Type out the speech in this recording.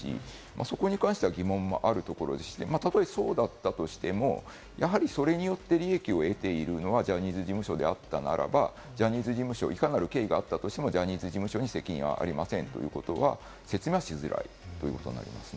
そこに関しては疑問もあるところでして、たとえそうだったとしても、やはりそれによって利益を得ているのはジャニーズ事務所であったならば、ジャニーズ事務所、いかなる経緯があっても、ジャニーズ事務所に責任はありませんということは説明はしづらいと思います。